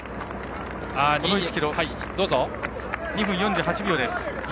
この１ｋｍ、２分４８秒です。